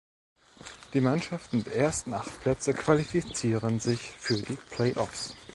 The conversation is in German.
Die Mannschaften der ersten acht Plätze qualifizieren sich für die Playoffs.